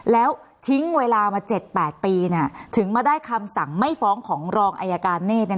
แล้วทิ้งเวลามา๗๘ปีถึงมาได้คำสั่งไม่ฟ้องของรองอายการเนธ